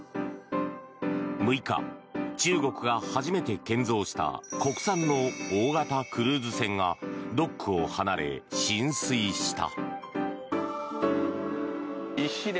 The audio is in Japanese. ６日、中国が初めて建造した国産の大型クルーズ船がドックを離れ進水した。